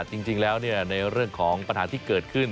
จริงแล้วในเรื่องของปัญหาที่เกิดขึ้น